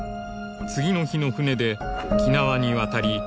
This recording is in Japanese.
「次の日の船で沖縄に渡り」